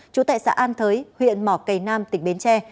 trú tại xã an thới huyện mỏ cầy nam tỉnh bến tre